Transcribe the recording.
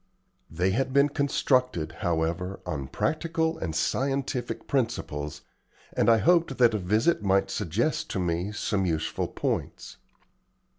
They had been constructed, however, on practical and scientific principles, and I hoped that a visit might suggest to me some useful points.